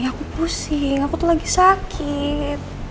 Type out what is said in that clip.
aku pusing aku tuh lagi sakit